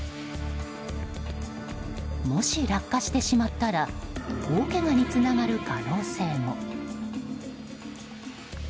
もし落下してしまったら大けがにつながる可能性も。